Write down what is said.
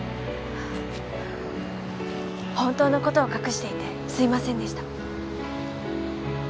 本当の事を隠していてすいませんでした。